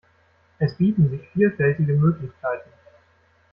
Es bieten sich vielfältige Möglichkeiten.